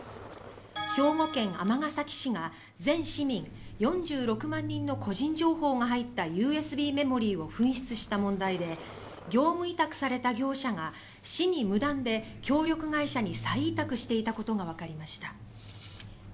兵庫県尼崎市が全市民４６万人の個人情報が入ったＵＳＢメモリーを紛失した問題で業務委託された業者が市に無断で協力会社に再委託していたことがわかりました。